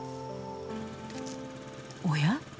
おや？